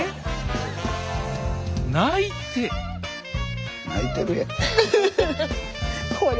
泣いて泣いてるやん。